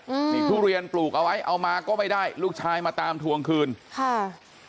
อืมนี่ทุเรียนปลูกเอาไว้เอามาก็ไม่ได้ลูกชายมาตามทวงคืนค่ะ